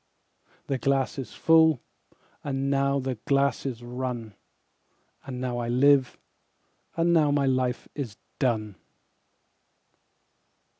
17The glass is full, and now the glass is run,18And now I live, and now my life is done.